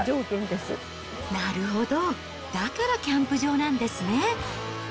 なるほど、だからキャンプ場なんですね。